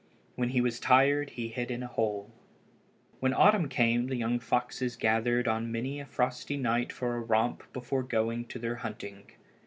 When he was tired he hid in a hole. When autumn came the young foxes gathered on many a frosty night for a romp before going to their hunting.